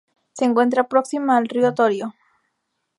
Se encuentra próxima al río Torío.